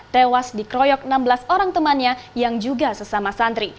tewas di kroyok enam belas orang temannya yang juga sesama santri